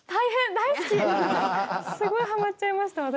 すごいハマっちゃいました私。